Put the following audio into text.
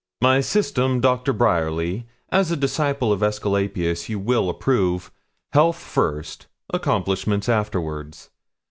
'My system, Doctor Bryerly, as a disciple of Aesculapius you will approve health first, accomplishment afterwards.